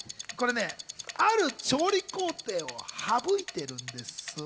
ある調理工程を省いているんです。